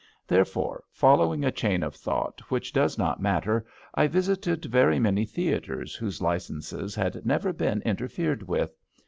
Therefore, following a chain of thought which does not matter, I visited very many theatres whose licenses had never been inter fered with.